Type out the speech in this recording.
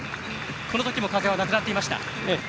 このときも風はなくなっていました。